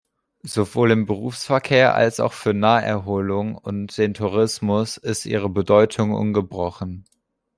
Sowohl im Berufsverkehr als auch für Naherholung und den Tourismus ist ihre Bedeutung ungebrochen.